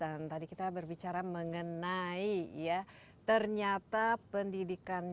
dan tadi kita berbicara mengenai ya ternyata pendidikan